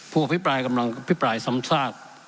ผู้อภิปรายกำลังอภิปรายซ้ำซาก